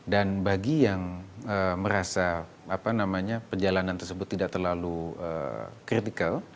dan bagi yang merasa perjalanan tersebut tidak terlalu kritikal